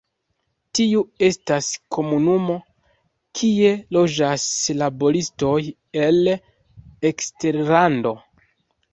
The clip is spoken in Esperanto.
Tiu estas komunumo kie loĝas laboristoj el eksterlando.